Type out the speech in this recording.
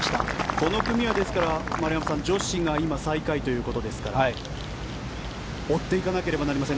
この組は丸山さん、女子が今、最下位ということですから追っていかなければなりません。